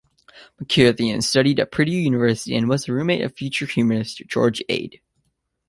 McCutcheon studied at Purdue University and was a roommate of future humorist George Ade.